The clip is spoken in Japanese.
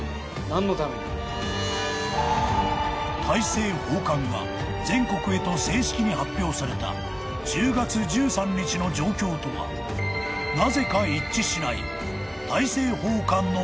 ［大政奉還が全国へと正式に発表された１０月１３日の状況とはなぜか］